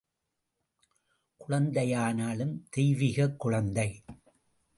குழந்தையானாலும் தெய்விகக் குழந்தை.